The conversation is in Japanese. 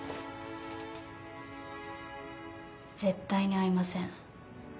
絶対に会いません。